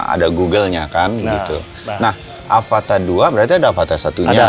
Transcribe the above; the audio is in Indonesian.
ada googlenya kan gitu nah avata dua berarti ada avata satu nya